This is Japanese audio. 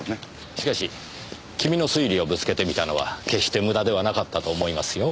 しかし君の推理をぶつけてみたのは決して無駄ではなかったと思いますよ。